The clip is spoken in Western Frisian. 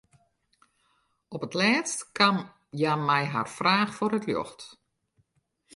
Op 't lêst kaam hja mei har fraach foar it ljocht.